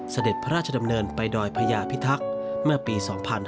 เสด็จพระราชดำเนินไปดอยพญาพิทักษ์เมื่อปี๒๕๕๙